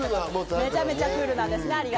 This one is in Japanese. めちゃめちゃクールです。